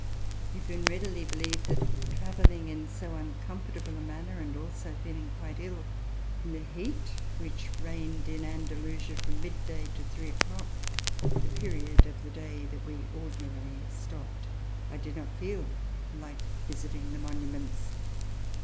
You can readily believe that travelling in so un comfortable a manner and also feeling quite ill, in the heat which reigned in Andalusia from mid day to three o'clock, the period of the day that we ordinarily stopped, I did not feel like visiting the monuments.